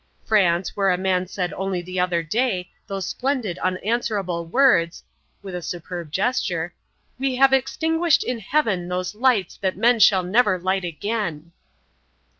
France, where a man said only the other day those splendid unanswerable words" with a superb gesture "'we have extinguished in heaven those lights that men shall never light again.'"